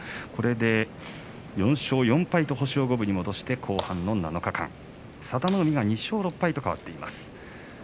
これで４勝４敗と星を五分に伸ばして後半の７日間佐田の海は２勝６敗と変わっています。